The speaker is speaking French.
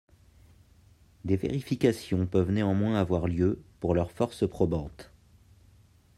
Des vérifications peuvent néanmoins avoir lieu, pour leur force probante.